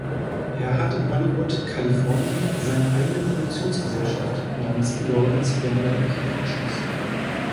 Er hat in Hollywood, Kalifornien seine eigene Produktionsgesellschaft namens Lawrence Bender Productions.